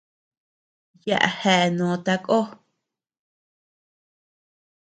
Yaʼa jea noo takó.